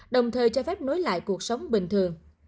đồng thời cho phép nối lại cuộc sống bình thường